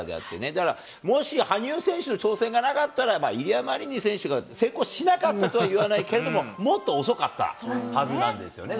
だからもし羽生選手の挑戦がなかったら、イリア・マリニン選手が成功しなかったとは言わないけれども、もっと遅かったはずなんですよね。